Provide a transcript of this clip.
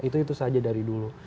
itu itu saja dari dulu